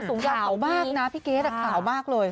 สูงอยากของนี่ครับผัวมากนะพี่เกรดขาวมากเลย